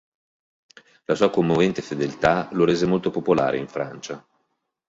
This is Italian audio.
La sua commovente fedeltà lo rese molto popolare in Francia.